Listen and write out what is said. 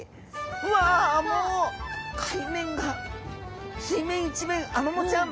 うわもう海面が水面一面アマモちゃん。